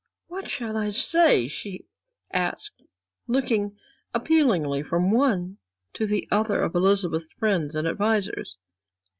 "What shall I say?" she asked, looking appealingly from one to the other of Elizabeth's friends and advisers.